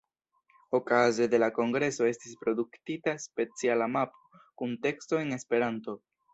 Okaze de la kongreso estis produktita speciala mapo kun teksto en Esperanto.